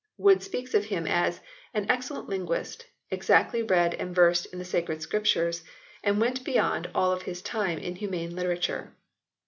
Wood speaks of him as " an excellent linguist, exactly read and versed in the Sacred Scriptures and went beyond all of his time in humane literature."